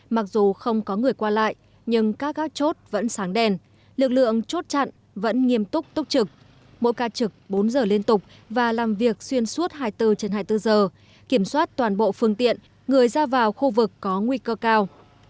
mặc dù không có người qua lại nhưng các gác chốt vẫn sáng đèn lực lượng chốt chặn vẫn nghiêm túc tốc trực mỗi ca trực bốn giờ liên tục và làm việc xuyên suốt hai mươi bốn trên hai mươi bốn giờ kiểm soát toàn bộ phương tiện người ra vào khu vực có nguy cơ cao